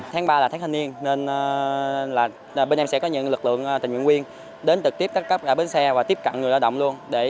tháng ba là tháng thanh niên nên bên em sẽ có những lực lượng tình nguyện quyên đến tự tiếp các cấp bến xe và tiếp cận người lao động luôn